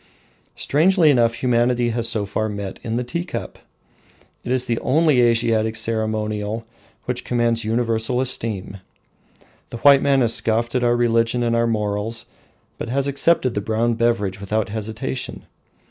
Strangely enough humanity has so far met in the tea cup. It is the only Asiatic ceremonial which commands universal esteem. The white man has scoffed at our religion and our morals, but has accepted the brown beverage without hesitation.